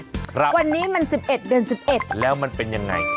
ครับวันนี้มัน๑๑เดือน๑๑แล้วมันเป็นยังไง